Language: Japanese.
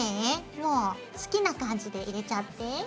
もう好きな感じで入れちゃって。